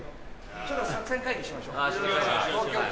ちょっと作戦会議しましょう東京チームで。